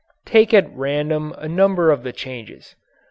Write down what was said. Take at random a number of the changes.